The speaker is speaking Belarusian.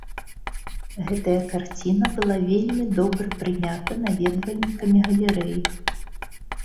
Гэтая карціна была вельмі добра прынята наведвальнікамі галерэі.